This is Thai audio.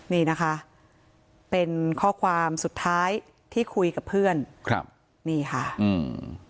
นี่นะคะเป็นข้อความสุดท้ายที่คุยกับเพื่อนครับนี่ค่ะอืม